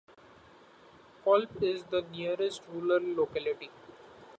Kolp is the nearest rural locality.